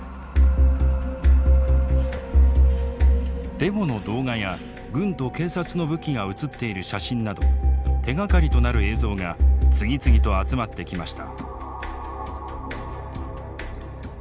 デモの動画や軍と警察の武器が写っている写真など手がかりとなる映像が次々と集まってきました。